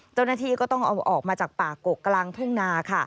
เจ้าหน้าที่ก็ต้องเอาออกมาจากป่ากกกลางทุ่งนาค่ะ